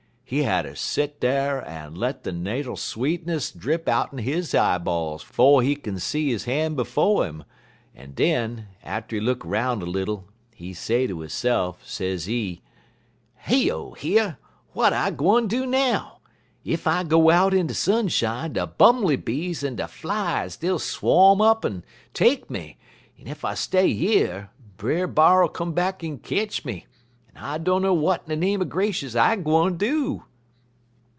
He hatter set dar en let de natal sweetness drip outen he eyeballs 'fo' he kin see he han' befo' 'im, en den, atter he look' 'roun' little, he say to hisse'f, sezee: "'Heyo, yer! W'at I gwine do now? Ef I go out in de sunshine, de bumly bees en de flies dey'll swom up'n take me, en if I stay yer, Brer B'ar'll come back en ketch me, en I dunner w'at in de name er gracious I gwine do.'